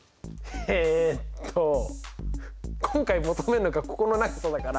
えっと今回求めるのがここの長さだから。